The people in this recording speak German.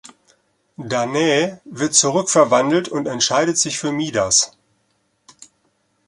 Danae wird zurückverwandelt und entscheidet sich für Midas.